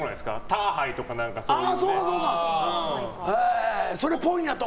ターハイとかいろいろ。